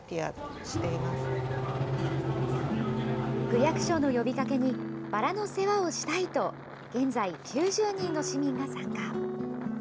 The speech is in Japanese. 区役所の呼びかけに、バラの世話をしたいと、現在、９０人の市民が参加。